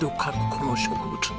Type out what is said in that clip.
この植物